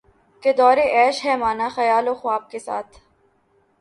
کہ دورِ عیش ہے مانا خیال و خواب کے ساتھ